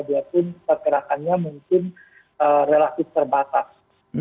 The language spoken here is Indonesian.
dia pun pergerakannya mungkin relatif terbatas